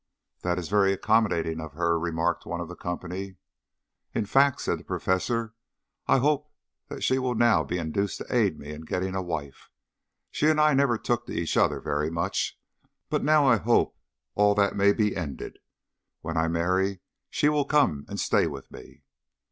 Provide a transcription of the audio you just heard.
"That is very accommodating of her," remarked one of the company. "In fact," said the Professor, "I hope that she will now be induced to aid me in getting a wife. She and I never took to each other very much; but now I hope all that may be ended, and when I marry she will come and stay with me."